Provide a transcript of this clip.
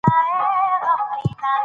نرم حرکتونه ښه پایله ورکوي.